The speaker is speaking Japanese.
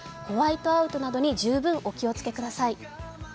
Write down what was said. ホワイトアウトなどに十分お気をつけください。